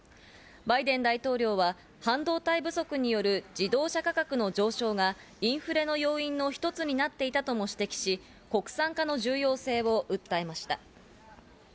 バイデン大統領は半導体不足による自動車価格の上昇がインフレの要因の一つになっていたとも指摘し、国産化の重要性を訴えました。